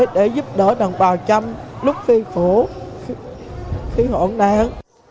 để giúp đỡ đồng bào chăm lúc khi khổ khi hổn nạn